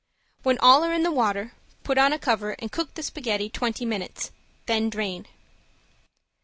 When all are in the water put on a cover and cook the spaghetti twenty minutes, then drain.